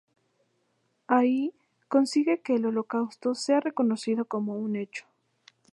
Allí consigue que el Holocausto sea reconocido como un hecho.